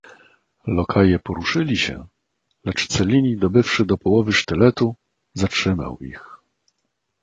"Lokaje poruszyli się, lecz Cellini dobywszy do połowy sztyletu zatrzymał ich."